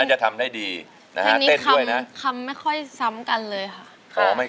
น่าจะทำได้ดีนะฮะเพลงนี้คำไม่ค่อยซ้ำกันเลยค่ะ